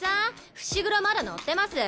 伏黒まだ乗ってます？